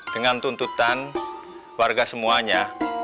dengan tuntutan warga semuanya